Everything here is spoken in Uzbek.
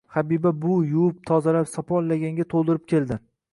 Habiba buvi yuvib, tozalab, sopol laganga to‘ldirib keldi.